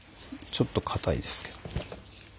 ちょっとかたいですけど。